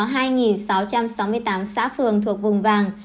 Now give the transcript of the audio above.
tăng thêm năm trăm ba mươi một xã phường so với ngày chín tháng hai